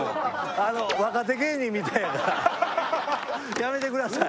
あの若手芸人みたいなやめてください。